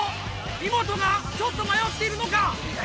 イモトがちょっと迷っているのか？